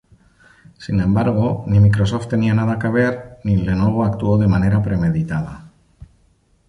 Sin embargo, ni Microsoft tenía nada que ver, ni Lenovo actuó de manera premeditada.